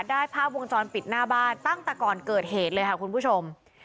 ภาพวงจรปิดหน้าบ้านตั้งแต่ก่อนเกิดเหตุเลยค่ะคุณผู้ชม